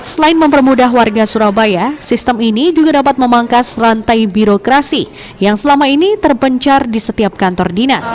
selain mempermudah warga surabaya sistem ini juga dapat memangkas rantai birokrasi yang selama ini terpencar di setiap kantor dinas